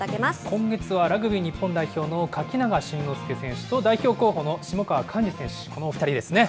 今月はラグビー日本代表の垣永真之介選手と代表候補の下川甲嗣選手、このお２人ですね。